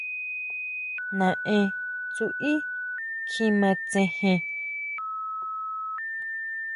Nae Tsui kjima tsejen.